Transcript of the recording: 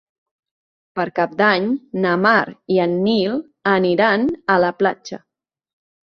Per Cap d'Any na Mar i en Nil aniran a la platja.